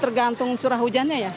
tergantung curah hujannya ya